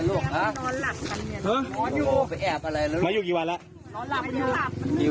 โหอยู่ไปแอบอะไรแล้วลูกมาอยู่กี่วันแล้วหรือหื้อ